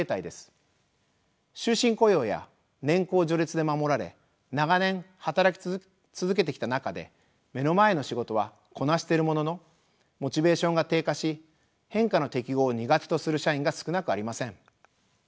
終身雇用や年功序列で守られ長年働き続けてきた中で目の前の仕事はこなしているもののモチベーションが低下し変化の適合を苦手とする社員が少なくありません。